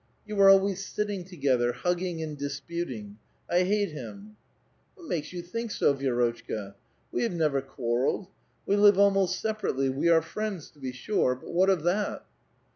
" You are always sitting together, hugging and disputing. I hate him." " What makes vou think so, Vi^rotchka? We have never quarrelled. We live almost separately ; we are friends, to be sure ; but what of that?